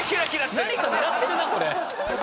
何か狙ってるなこれ。